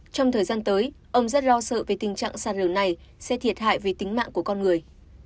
trong thời gian tới ông rất lo sợ về tình trạng sạt lở này sẽ thiệt hại về tính mạng của con người